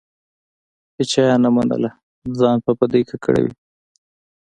هیچا یې نه منله؛ ځان په بدۍ ککړوي.